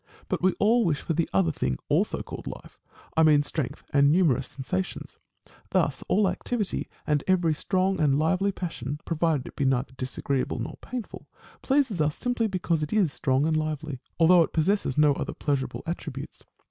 But we all wish for the other thing, also called life ; I mean strength, and numerous sensations. Thus, all activity, and every strong and lively passion, provided it be neither disagreeable nor painful, pleases us simply because it is strong and lively, although it possess no other pleasurable attributes.